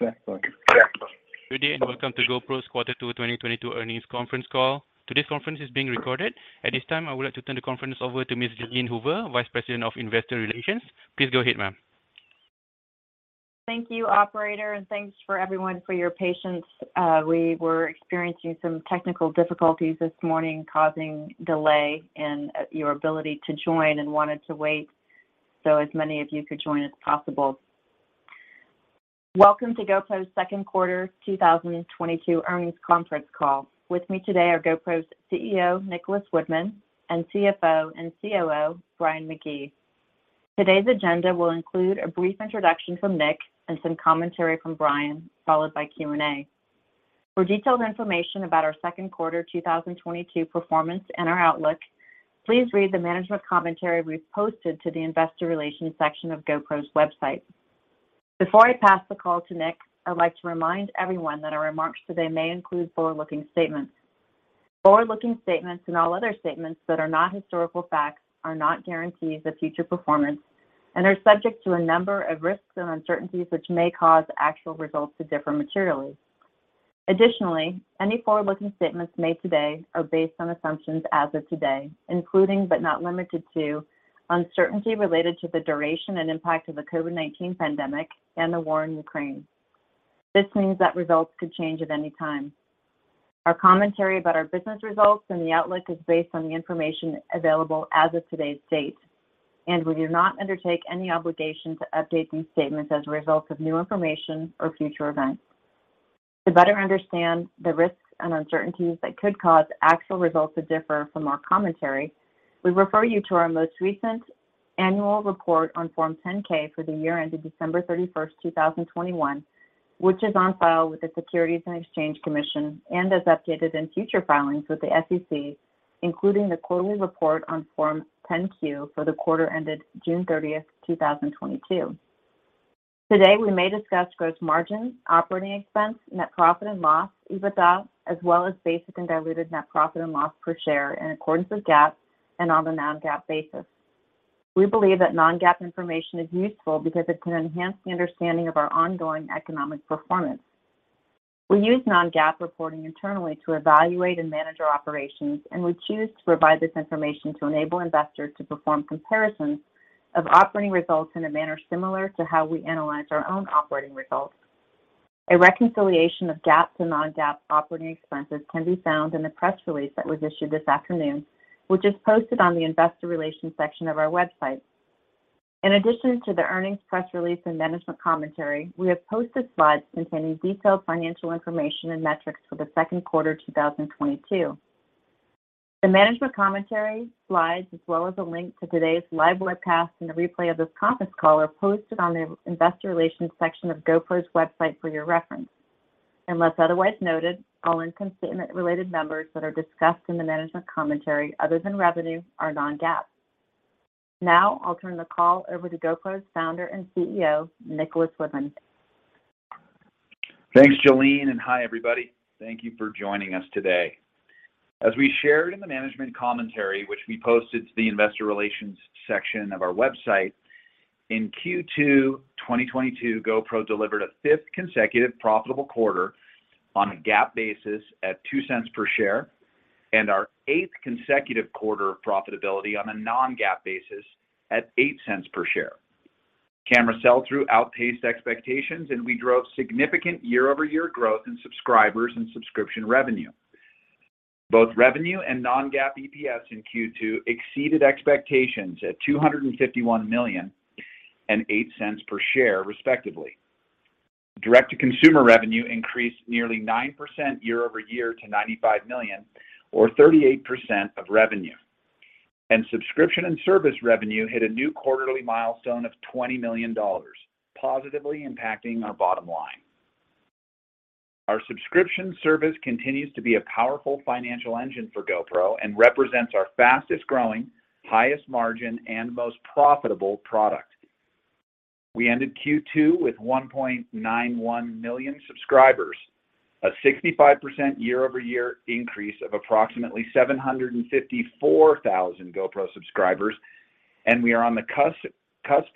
Good day and welcome to GoPro's Q2 2022 Earnings Conference Call. Today's conference is being recorded. At this time, I would like to turn the conference over to Ms. Jalene Hoover, Vice President of Investor Relations. Please go ahead, ma'am. Thank you, operator, and thanks for everyone for your patience. We were experiencing some technical difficulties this morning causing delay in your ability to join and wanted to wait so as many of you could join as possible. Welcome to GoPro's second quarter 2022 earnings conference call. With me today are GoPro's CEO, Nicholas Woodman, and CFO and COO, Brian McGee. Today's agenda will include a brief introduction from Nick and some commentary from Brian, followed by Q&A. For detailed information about our second quarter 2022 performance and our outlook, please read the management commentary we've posted to the investor relations section of GoPro's website. Before I pass the call to Nick, I'd like to remind everyone that our remarks today may include forward-looking statements. Forward-looking statements and all other statements that are not historical facts are not guarantees of future performance and are subject to a number of risks and uncertainties, which may cause actual results to differ materially. Additionally, any forward-looking statements made today are based on assumptions as of today, including but not limited to uncertainty related to the duration and impact of the COVID-19 pandemic and the war in Ukraine. This means that results could change at any time. Our commentary about our business results and the outlook is based on the information available as of today's date, and we do not undertake any obligation to update these statements as a result of new information or future events. To better understand the risks and uncertainties that could cause actual results to differ from our commentary, we refer you to our most recent annual report on Form 10-K for the year ended December 31, 2021, which is on file with the Securities and Exchange Commission and as updated in future filings with the SEC, including the quarterly report on Form 10-Q for the quarter ended June 30, 2022. Today, we may discuss gross margins, operating expense, net profit and loss, EBITDA, as well as basic and diluted net profit and loss per share in accordance with GAAP and on a non-GAAP basis. We believe that non-GAAP information is useful because it can enhance the understanding of our ongoing economic performance. We use non-GAAP reporting internally to evaluate and manage our operations, and we choose to provide this information to enable investors to perform comparisons of operating results in a manner similar to how we analyze our own operating results. A reconciliation of GAAP to non-GAAP operating expenses can be found in the press release that was issued this afternoon, which is posted on the investor relations section of our website. In addition to the earnings press release and management commentary, we have posted slides containing detailed financial information and metrics for the second quarter 2022. The management commentary, slides, as well as a link to today's live webcast and the replay of this conference call are posted on the investor relations section of GoPro's website for your reference. Unless otherwise noted, all income statement-related numbers that are discussed in the management commentary, other than revenue, are non-GAAP. Now, I'll turn the call over to GoPro's founder and CEO, Nicholas Woodman. Thanks, Jalene, and hi, everybody. Thank you for joining us today. As we shared in the management commentary, which we posted to the investor relations section of our website, in Q2 2022, GoPro delivered a 5th consecutive profitable quarter on a GAAP basis at $0.02 per share and our eighth consecutive quarter of profitability on a non-GAAP basis at $0.08 per share. Camera sell-through outpaced expectations, and we drove significant year-over-year growth in subscribers and subscription revenue. Both revenue and non-GAAP EPS in Q2 exceeded expectations at $251 million and $0.08 per share, respectively. Direct-to-consumer revenue increased nearly 9% year-over-year to $95 million or 38% of revenue. Subscription and service revenue hit a new quarterly milestone of $20 million, positively impacting our bottom line. Our subscription service continues to be a powerful financial engine for GoPro and represents our fastest-growing, highest margin, and most profitable product. We ended Q2 with 1.91 million subscribers, a 65% year-over-year increase of approximately 754,000 GoPro subscribers, and we are on the cusp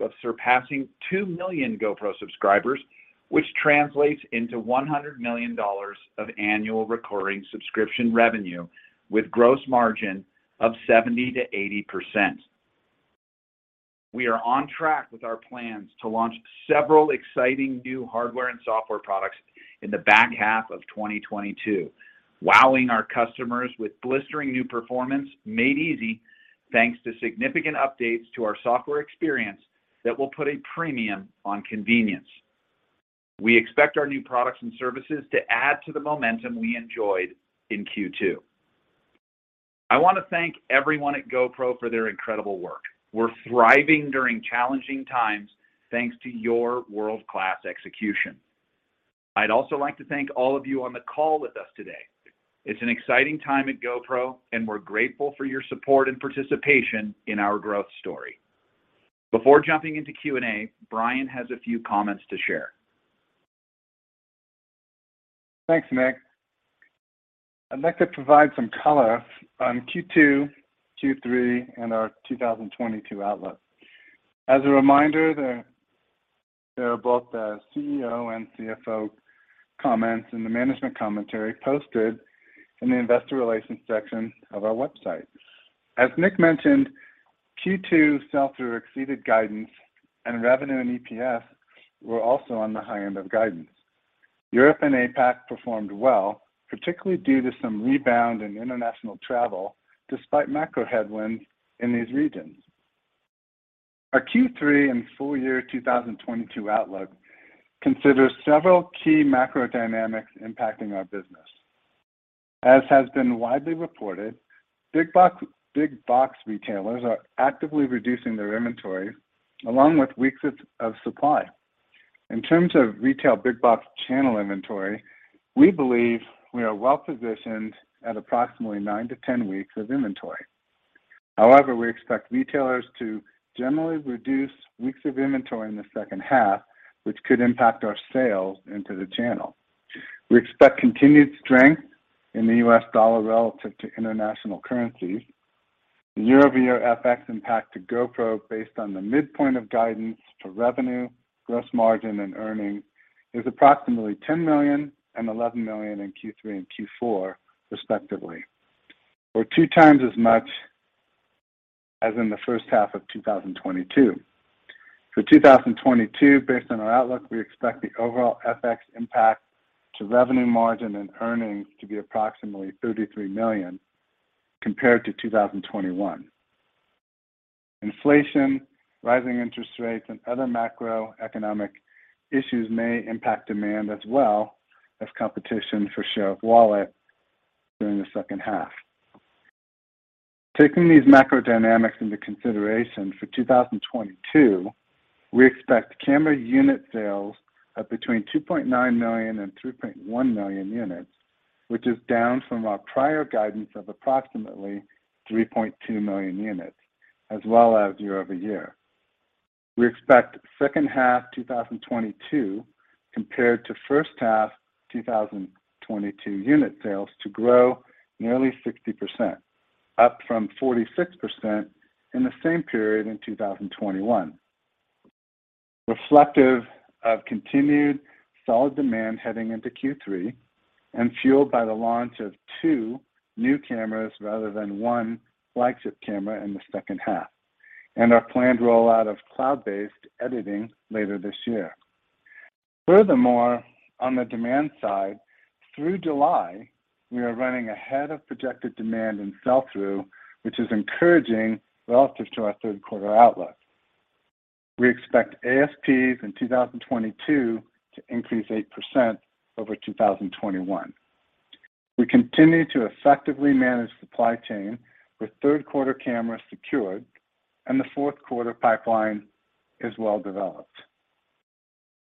of surpassing 2 million GoPro subscribers, which translates into $100 million of annual recurring subscription revenue with gross margin of 70%-80%. We are on track with our plans to launch several exciting new hardware and software products in the back half of 2022, wowing our customers with blistering new performance made easy, thanks to significant updates to our software experience that will put a premium on convenience. We expect our new products and services to add to the momentum we enjoyed in Q2. I wanna thank everyone at GoPro for their incredible work. We're thriving during challenging times, thanks to your world-class execution. I'd also like to thank all of you on the call with us today. It's an exciting time at GoPro, and we're grateful for your support and participation in our growth story. Before jumping into Q&A, Brian has a few comments to share. Thanks, Nick. I'd like to provide some color on Q2, Q3, and our 2022 outlook. As a reminder, there are both the CEO and CFO comments and the management commentary posted in the investor relations section of our website. As Nick mentioned, Q2 sell-through exceeded guidance and revenue, and EPS were also on the high end of guidance. Europe and APAC performed well, particularly due to some rebound in international travel despite macro headwinds in these regions. Our Q3 and full year 2022 outlook consider several key macro dynamics impacting our business. As has been widely reported, big box retailers are actively reducing their inventory along with weeks of supply. In terms of retail big box channel inventory, we believe we are well-positioned at approximately 9-10 weeks of inventory. However, we expect retailers to generally reduce weeks of inventory in the second half, which could impact our sales into the channel. We expect continued strength in the U.S. dollar relative to international currencies. The year-over-year FX impact to GoPro based on the midpoint of guidance to revenue, gross margin, and earnings is approximately $10 million and $11 million in Q3 and Q4 respectively. Or 2 times as much as in the first half of 2022. For 2022, based on our outlook, we expect the overall FX impact to revenue margin and earnings to be approximately $33 million compared to 2021. Inflation, rising interest rates, and other macroeconomic issues may impact demand as well as competition for share of wallet during the second half. Taking these macro dynamics into consideration for 2022, we expect camera unit sales of between 2.9 million and 3.1 million units, which is down from our prior guidance of approximately 3.2 million units as well as year-over-year. We expect second half 2022 compared to first half 2022 unit sales to grow nearly 60%, up from 46% in the same period in 2021. Reflective of continued solid demand heading into Q3 and fueled by the launch of two new cameras rather than one flagship camera in the second half, and our planned rollout of cloud-based editing later this year. Furthermore, on the demand side, through July, we are running ahead of projected demand and sell-through, which is encouraging relative to our third quarter outlook. We expect ASPs in 2022 to increase 8% over 2021. We continue to effectively manage supply chain with third quarter cameras secured and the fourth quarter pipeline is well developed.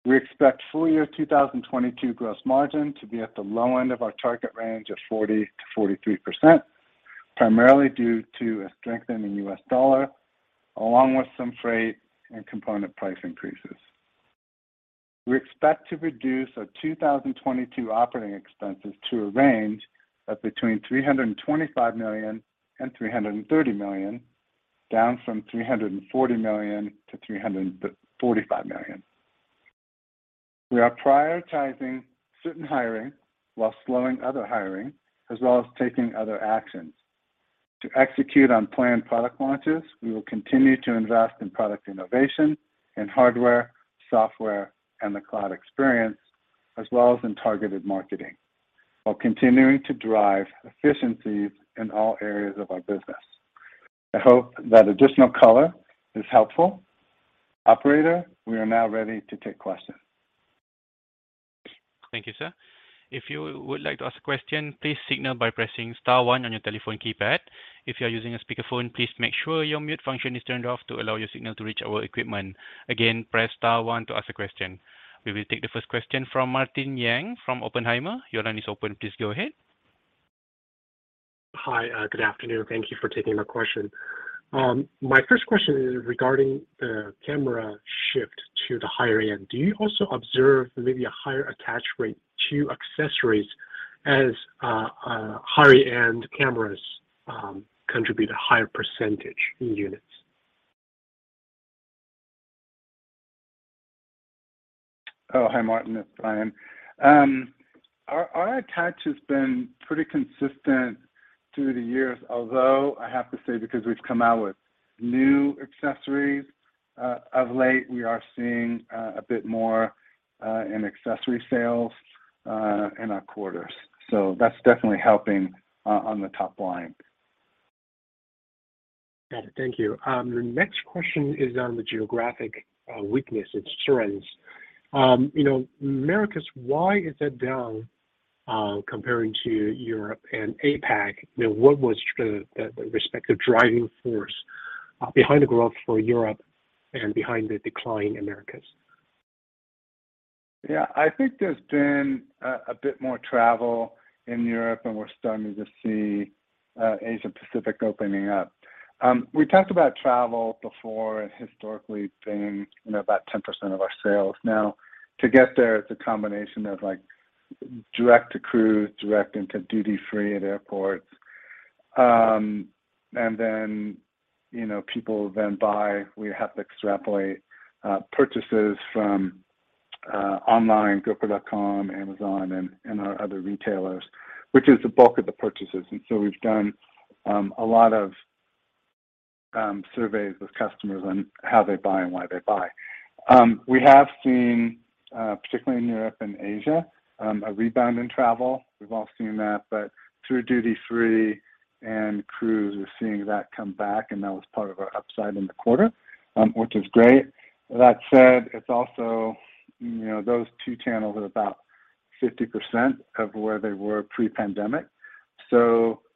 We expect full year 2022 gross margin to be at the low end of our target range of 40%-43%, primarily due to a strengthening U.S. dollar, along with some freight and component price increases. We expect to reduce our 2022 operating expenses to a range of between $325 million and $330 million, down from $340 million-$345 million. We are prioritizing certain hiring while slowing other hiring, as well as taking other actions. To execute on planned product launches, we will continue to invest in product innovation, in hardware, software, and the cloud experience, as well as in targeted marketing, while continuing to drive efficiencies in all areas of our business. I hope that additional color is helpful. Operator, we are now ready to take questions. Thank you, sir. If you would like to ask a question, please signal by pressing star one on your telephone keypad. If you are using a speakerphone, please make sure your mute function is turned off to allow your signal to reach our equipment. Again, press star one to ask a question. We will take the first question from Martin Yang from Oppenheimer. Your line is open. Please go ahead. Hi. Good afternoon. Thank you for taking my question. My first question is regarding the camera shift to the higher-end. Do you also observe maybe a higher attach rate to accessories as higher-end cameras contribute a higher percentage in units? Oh, hi, Martin Yang. It's Brian McGee. Our attach has been pretty consistent through the years, although I have to say because we've come out with new accessories of late, we are seeing a bit more in accessory sales in our quarters. That's definitely helping on the top line. Got it. Thank you. The next question is on the geographic weakness and strengths. You know, Americas, why is that down comparing to Europe and APAC? You know, what was the respective driving force behind the growth for Europe and behind the decline in Americas? Yeah. I think there's been a bit more travel in Europe, and we're starting to see Asia-Pacific opening up. We talked about travel before historically being, you know, about 10% of our sales. Now, to get there, it's a combination of, like, direct to cruise, direct into duty-free at airports. Then, you know, people then buy. We have to extrapolate purchases from online, gopro.com, Amazon, and our other retailers, which is the bulk of the purchases. We've done a lot of surveys with customers on how they buy and why they buy. We have seen, particularly in Europe and Asia, a rebound in travel. We've all seen that, but through duty-free and cruise, we're seeing that come back, and that was part of our upside in the quarter, which is great. That said, it's also, you know, those two channels are about 50% of where they were pre-pandemic.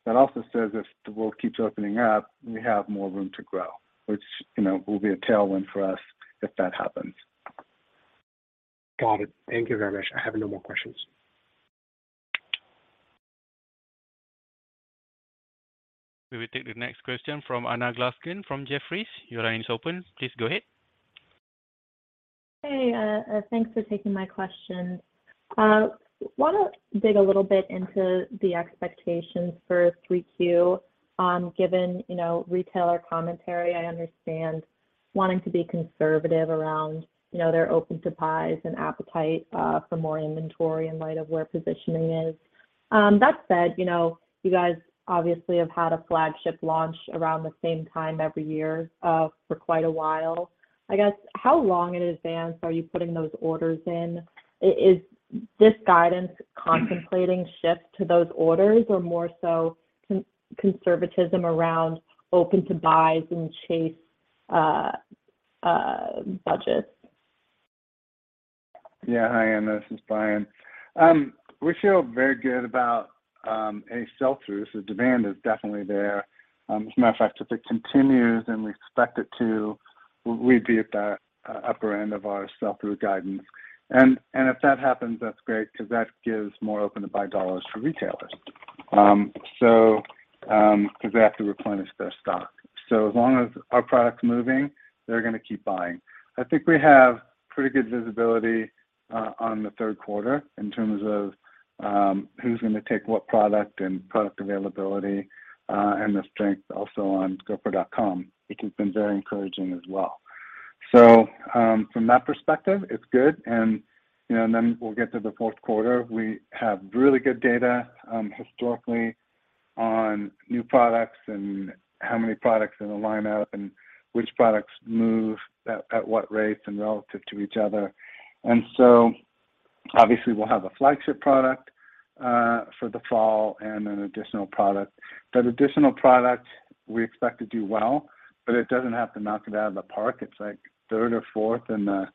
That also says if the world keeps opening up, we have more room to grow, which, you know, will be a tailwind for us if that happens. Got it. Thank you very much. I have no more questions. We will take the next question from Anna Glaessgen from Jefferies. Your line is open. Please go ahead. Hey, thanks for taking my questions. Wanna dig a little bit into the expectations for 3Q on given, you know, retailer commentary. I understand wanting to be conservative around, you know, their open-to-buys and appetite for more inventory in light of where positioning is. That said, you know, you guys obviously have had a flagship launch around the same time every year for quite a while. I guess, how long in advance are you putting those orders in? Is this guidance contemplating shift to those orders or more so conservatism around open to buys and cash budgets? Yeah. Hi, Anna. This is Brian. We feel very good about a sell-through, so demand is definitely there. As a matter of fact, if it continues, and we expect it to, we'd be at the upper end of our sell-through guidance. If that happens, that's great because that gives more open-to-buy dollars for retailers, so 'cause they have to replenish their stock. As long as our product's moving, they're gonna keep buying. I think we have pretty good visibility on the third quarter in terms of who's gonna take what product and product availability, and the strength also on GoPro.com, which has been very encouraging as well. From that perspective, it's good, you know, and then we'll get to the fourth quarter. We have really good data, historically on new products and how many products in the lineup and which products move at what rates and relative to each other. Obviously we'll have a flagship product for the fall and an additional product. That additional product we expect to do well, but it doesn't have to knock it out of the park. It's like third or fourth in the,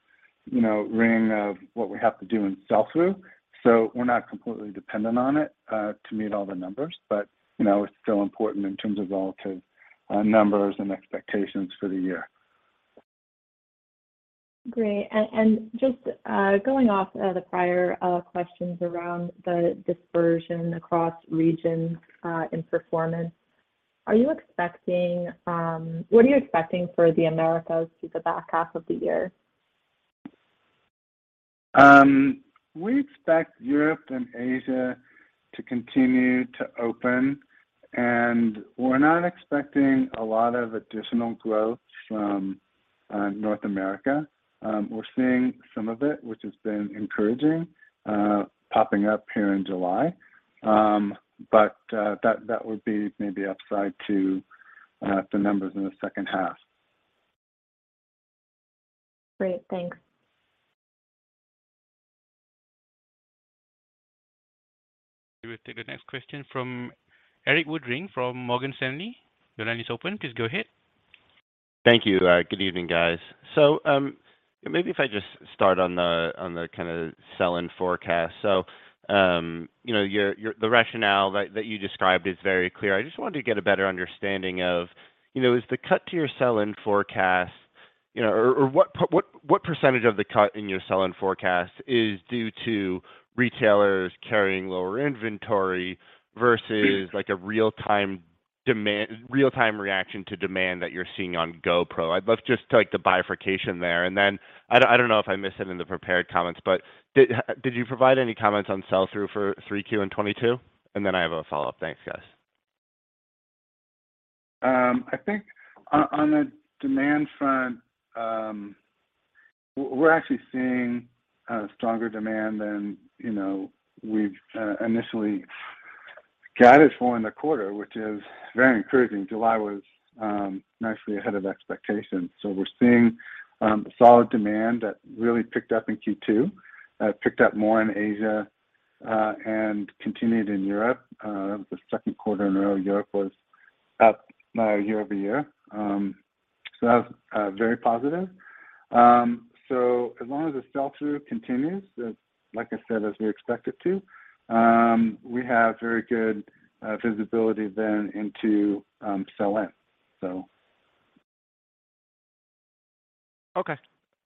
you know, ring of what we have to do in sell-through, so we're not completely dependent on it to meet all the numbers. You know, it's still important in terms of relative numbers and expectations for the year. Great. Just going off the prior questions around the dispersion across regions in performance, are you expecting, What are you expecting for the Americas through the back half of the year? We expect Europe and Asia to continue to open, and we're not expecting a lot of additional growth from North America. We're seeing some of it, which has been encouraging, popping up here in July. That would be maybe upside to the numbers in the second half. Great. Thanks. We will take the next question from Erik Woodring from Morgan Stanley. Your line is open. Please go ahead. Thank you. Good evening, guys. Maybe if I just start on the kinda sell-in forecast. Your rationale that you described is very clear. I just wanted to get a better understanding of, you know, is the cut to your sell-in forecast, you know or what percentage of the cut in your sell-in forecast is due to retailers carrying lower inventory versus like a real-time demand, real-time reaction to demand that you're seeing on GoPro? I'd love just to like the bifurcation there. Then I don't know if I missed it in the prepared comments, but did you provide any comments on sell-through for 3Q in 2022? Then I have a follow-up. Thanks, guys. I think on the demand front, we're actually seeing stronger demand than, you know, we'd initially guided for in the quarter, which is very encouraging. July was nicely ahead of expectations. We're seeing solid demand that really picked up in Q2, picked up more in Asia, and continued in Europe. The second quarter in a row, Europe was up year-over-year. That was very positive. As long as the sell-through continues, like I said, as we expect it to, we have very good visibility then into sell-in. Okay.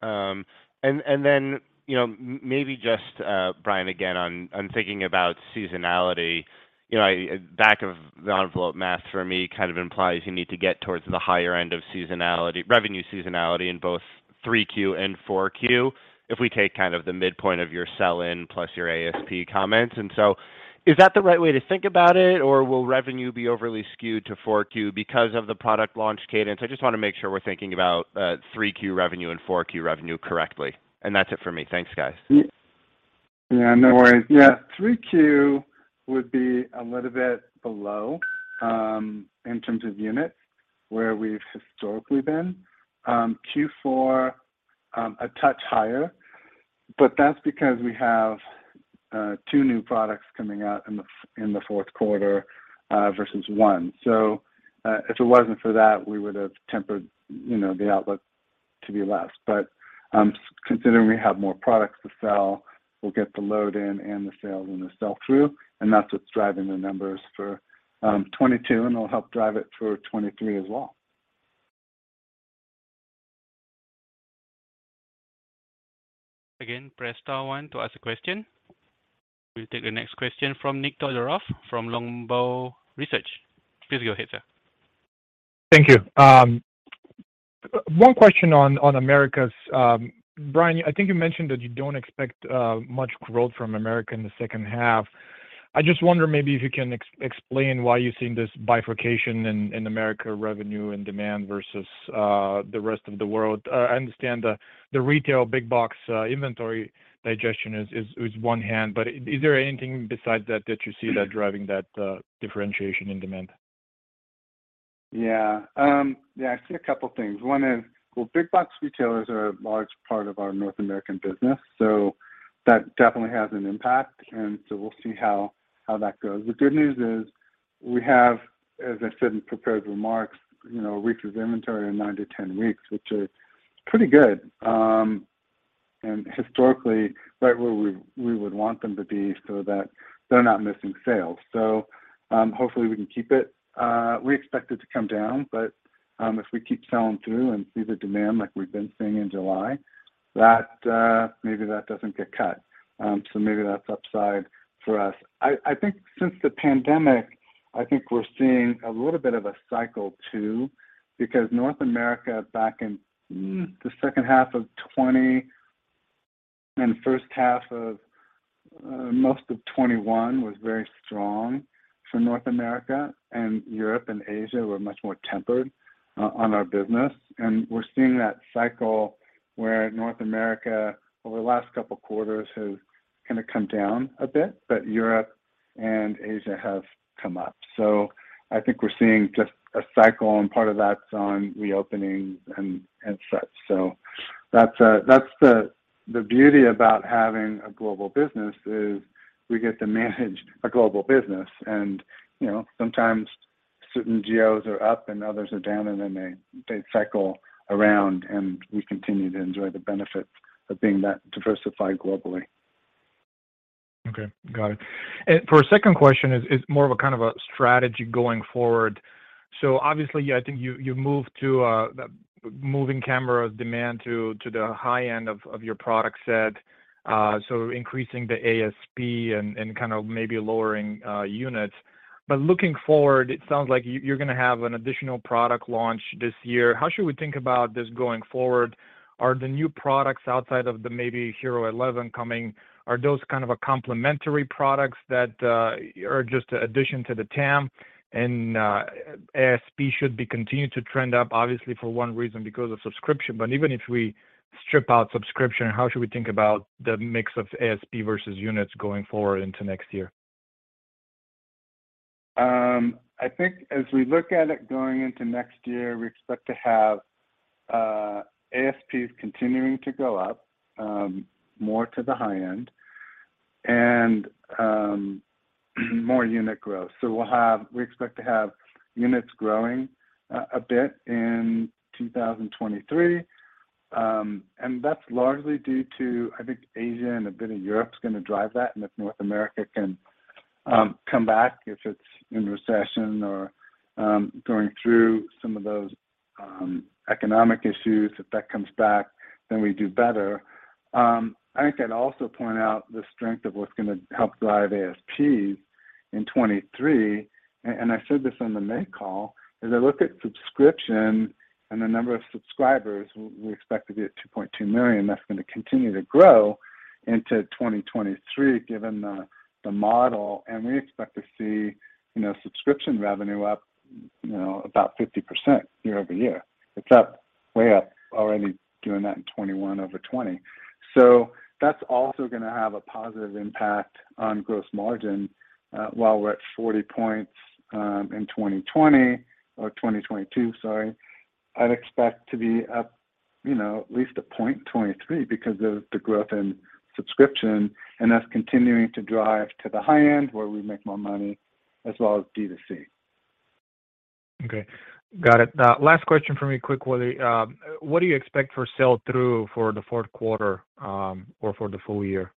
And then, you know, maybe just Brian again on thinking about seasonality. You know, back of the envelope math for me kind of implies you need to get towards the higher end of seasonality, revenue seasonality in both 3Q and 4Q if we take kind of the midpoint of your sell-in plus your ASP comments. Is that the right way to think about it, or will revenue be overly skewed to 4Q because of the product launch cadence? I just wanna make sure we're thinking about 3Q revenue and 4Q revenue correctly. That's it for me. Thanks, guys. Yeah, no worries. Yeah, 3Q would be a little bit below in terms of units where we've historically been. Q4, a touch higher, but that's because we have two new products coming out in the fourth quarter versus one. If it wasn't for that, we would have tempered, you know, the outlook to be less. Considering we have more products to sell, we'll get the load in and the sales and the sell-through, and that's what's driving the numbers for 2022, and it'll help drive it for 2023 as well. Again, press star one to ask a question. We'll take the next question from Nikolay Todorov from Longbow Research. Please go ahead, sir. Thank you. One question on Americas. Brian, I think you mentioned that you don't expect much growth from America in the second half. I just wonder maybe if you can explain why you're seeing this bifurcation in America revenue and demand versus the rest of the world. I understand the retail big box inventory digestion is on one hand, but is there anything besides that you see that driving that differentiation in demand? Yeah. Yeah, I see a couple things. One is, well, big box retailers are a large part of our North American business, so that definitely has an impact. We'll see how that goes. The good news is we have, as I said in prepared remarks, you know, 9-10 weeks of inventory, which are pretty good, and historically right where we would want them to be so that they're not missing sales. Hopefully we can keep it. We expect it to come down, but if we keep selling through and see the demand like we've been seeing in July, that maybe that doesn't get cut. Maybe that's upside for us. I think since the pandemic, I think we're seeing a little bit of a cycle too, because North America back in the second half of 2020 and first half of most of 2021 was very strong for North America, and Europe and Asia were much more tempered on our business. We're seeing that cycle where North America over the last couple quarters has kinda come down a bit, but Europe and Asia have come up. I think we're seeing just a cycle, and part of that's on reopening and such. That's the beauty about having a global business is we get to manage a global business. You know, sometimes certain geos are up and others are down, and then they cycle around, and we continue to enjoy the benefits of being that diversified globally. Okay. Got it. For a second question is more of a kind of a strategy going forward. Obviously, I think you moved to moving camera demand to the high end of your product set, so increasing the ASP and kind of maybe lowering units. Looking forward, it sounds like you you're gonna have an additional product launch this year. How should we think about this going forward? Are the new products outside of the maybe HERO11 coming, are those kind of a complementary products that are just addition to the TAM, and ASP should be continued to trend up, obviously for one reason because of subscription. Even if we strip out subscription, how should we think about the mix of ASP versus units going forward into next year? I think as we look at it going into next year, we expect to have ASPs continuing to go up, more to the high end and more unit growth. We expect to have units growing a bit in 2023, and that's largely due to, I think Asia and a bit of Europe's gonna drive that. If North America can come back, if it's in recession or going through some of those economic issues, if that comes back, then we do better. I think I'd also point out the strength of what's gonna help drive ASPs in 2023, and I said this on the May call, as I look at subscription and the number of subscribers, we expect to be at 2.2 million. That's gonna continue to grow into 2023 given the model, and we expect to see, you know, subscription revenue up, you know, about 50% year-over-year. It's up, way up already doing that in 2021 over 2020. So that's also gonna have a positive impact on gross margin. While we're at 40 points in 2020 or 2022, sorry, I'd expect to be up, you know, at least a point 2023 because of the growth in subscription, and that's continuing to drive to the high end where we make more money as well as D2C. Okay. Got it. Last question for me quick, Nicholas. What do you expect for sell-through for the fourth quarter, or for the full year?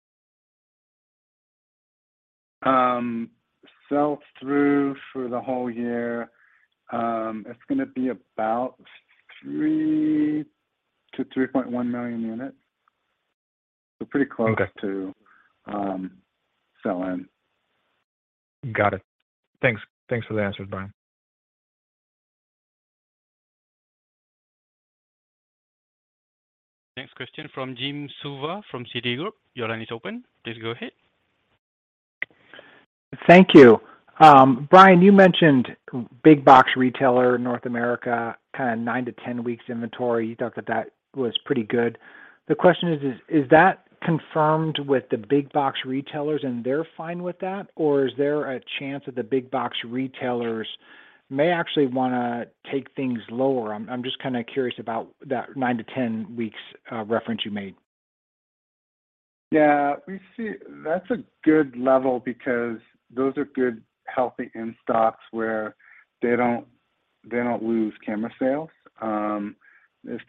Sell through for the whole year, it's gonna be about 3-3.1 million units. Pretty close. Okay to selling. Got it. Thanks. Thanks for the answer, Brian. Next question from Jim Suva from Citigroup. Your line is open. Please go ahead. Thank you. Brian, you mentioned big box retailer North America, kind of 9-10 weeks inventory. You thought that that was pretty good. The question is that confirmed with the big box retailers, and they're fine with that? Or is there a chance that the big box retailers may actually wanna take things lower? I'm just kinda curious about that 9-10 weeks reference you made. Yeah. We see. That's a good level because those are good, healthy in-stocks where they don't lose camera sales. If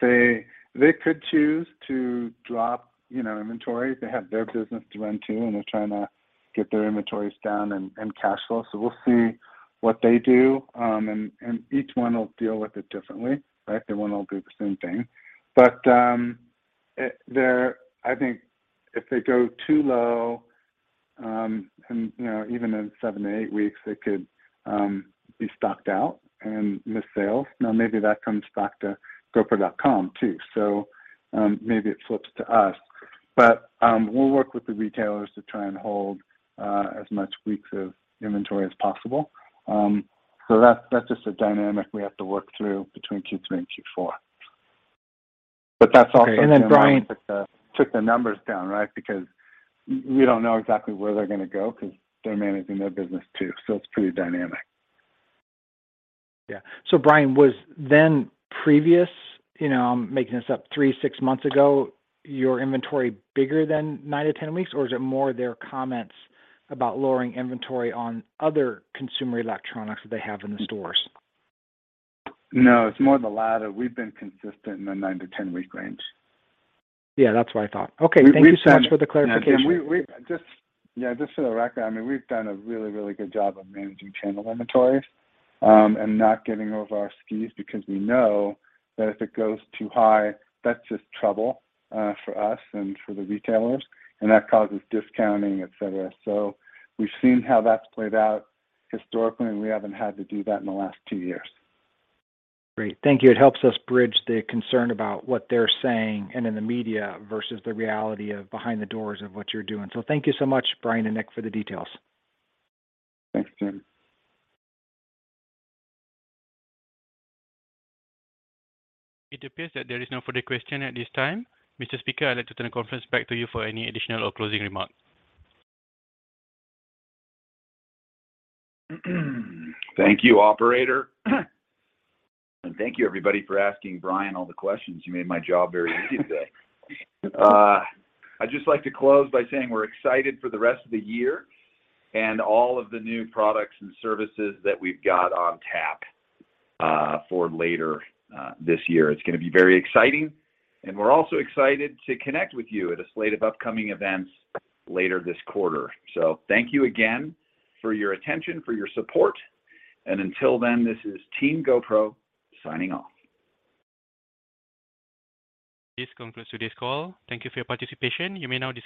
they could choose to drop, you know, inventory. They have their business to run too, and they're trying to get their inventories down and cash flow. We'll see what they do. Each one will deal with it differently, right? They won't all do the same thing. I think if they go too low, and you know, even in 7-8 weeks, they could be stocked out and miss sales. Now, maybe that comes back to GoPro.com too, so maybe it flips to us. We'll work with the retailers to try and hold as much weeks of inventory as possible. That's just a dynamic we have to work through between Q3 and Q4. That's also Brian. Took the numbers down, right? Because we don't know exactly where they're gonna go 'cause they're managing their business too. It's pretty dynamic. Yeah. Brian, was the previous, you know, I'm making this up, 3-6 months ago, your inventory bigger than 9-10 weeks, or is it more their comments about lowering inventory on other consumer electronics that they have in the stores? No, it's more the latter. We've been consistent in the 9-10-week range. Yeah, that's what I thought. Okay. We've done. Thank you so much for the clarification. Jim, we just for the record, I mean, we've done a really, really good job of managing channel inventories, and not getting over our skis because we know that if it goes too high, that's just trouble for us and for the retailers, and that causes discounting, et cetera. We've seen how that's played out historically, and we haven't had to do that in the last two years. Great. Thank you. It helps us bridge the concern about what they're saying and in the media versus the reality of behind the doors of what you're doing. Thank you so much, Brian and Nick, for the details. Thanks, Jim. It appears that there is no further question at this time. Mr.Nicholas, I'd like to turn the conference back to you for any additional or closing remarks. Thank you, operator. Thank you everybody for asking Brian all the questions. You made my job very easy today. I'd just like to close by saying we're excited for the rest of the year and all of the new products and services that we've got on tap, for later this year. It's gonna be very exciting, and we're also excited to connect with you at a slate of upcoming events later this quarter. Thank you again for your attention, for your support, and until then, this is Team GoPro signing off. This concludes today's call. Thank you for your participation. You may now disconnect.